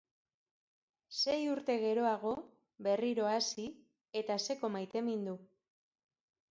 Sei urte geroago, berriro hasi, eta seko maitemindu.